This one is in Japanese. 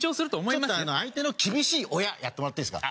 ちょっと相手の厳しい親やってもらっていいですか？